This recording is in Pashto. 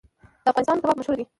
د افغانستان کباب مشهور دی